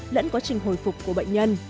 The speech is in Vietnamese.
lẫn quá trình hồi phục của bệnh nhân